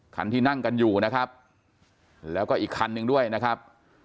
คันที่นั่งกันอยู่นะครับแล้วก็อีกคันหนึ่งด้วยนะครับ